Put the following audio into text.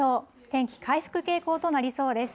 天気回復傾向となりそうです。